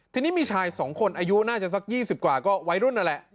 ทีนี้มีชาย๒คนอายุน่าจะสัก๒๐กว่าก็วัยรุ่นนั่นแหละ